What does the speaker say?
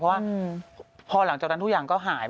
มันเหลือกลับจริงเลย